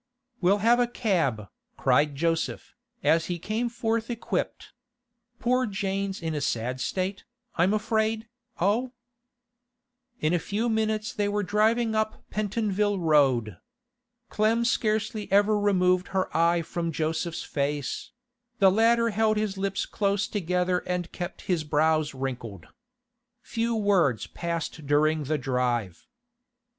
'We'll have a cab,' cried Joseph, as he came forth equipped. 'Poor Jane's in a sad state, I'm afraid, oh?' In a few minutes they were driving up Pentonville Road. Clem scarcely ever removed her eye from Joseph's face; the latter held his lips close together and kept his brows wrinkled. Few words passed during the drive.